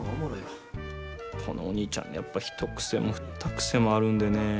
このお兄ちゃんねやっぱ一癖も二癖もあるんでね。